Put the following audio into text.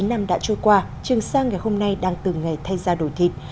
bốn mươi chín năm đã trôi qua trường sa ngày hôm nay đang từng ngày thay ra đổi thịt